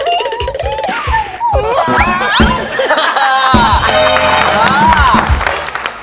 เยี่ยม